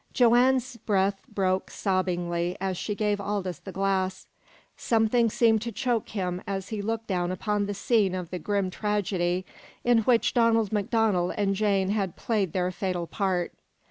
Joanne's breath broke sobbingly as she gave Aldous the glass. Something seemed to choke him as he looked down upon the scene of the grim tragedy in which Donald MacDonald and Jane had played their fatal part.